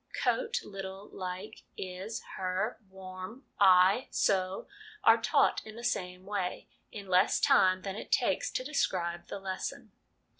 ' Coat, little, like, is, her, warm, I, so/ are taught in the same way, in less time than it takes to describe the lesson.